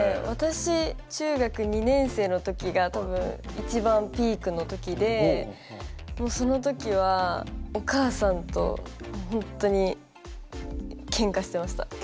私中学２年生の時が多分一番ピークの時でもうその時はお母さんとほんとにけんかしてました。